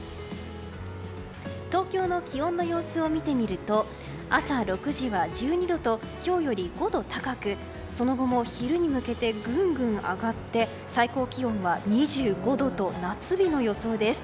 東京の気温の様子を見てみると朝６時は１２度と今日より５度高くその後も昼に向けてぐんぐん上がって最高気温は２５度と夏日の予想です。